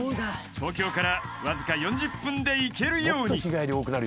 ［東京からわずか４０分で行けるように］